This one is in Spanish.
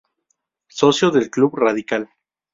Socio del Club Radical.